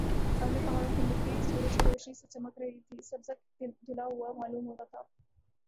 سامنے پہاڑوں کی مٹی سورج کی روشنی سے چمک رہی تھی سبزہ دھلا ہوا معلوم ہوتا تھا